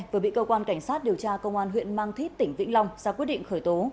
vừa bị cơ quan cảnh sát điều tra công an huyện mang thít tỉnh vĩnh long ra quyết định khởi tố